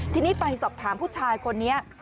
ทีนี้ไปสอบถามผู้ชายคนนี้